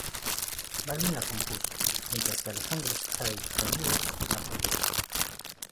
Balvin la compuso, mientras que Alejandro "Sky" Ramírez la produjo.